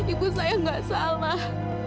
ibu saya gak salah